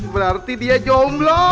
berarti dia jomblo